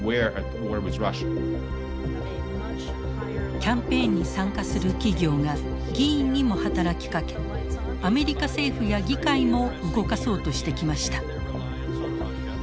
キャンペーンに参加する企業が議員にも働きかけアメリカ政府や議会も動かそうとしてきました。